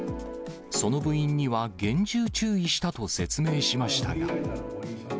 その部員には厳重注意したと説明しましたが。